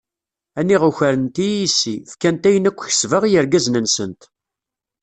A niɣ ukrent-iyi yessi, fkant ayen akk kesbeɣ i yergazen-nsent.